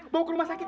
bawa ke rumah sakit